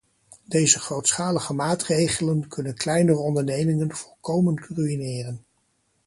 Deze grootschalige maatregelen kunnen kleinere ondernemingen volkomen ruïneren.